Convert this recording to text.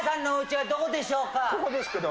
ここですけど。